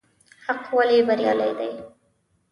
حق ولې بريالی دی؟